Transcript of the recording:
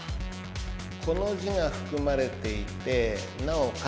この字が含まれていてなおかつ